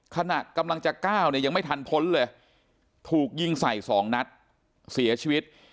ขณะกำลังจะก้าวเนี่ยยังไม่ทันพ้นเลยถูกยิงใส่๒นัดเสียชีวิต